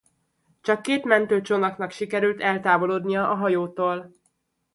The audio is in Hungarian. Csak két mentőcsónaknak sikerült eltávolodnia a hajótól.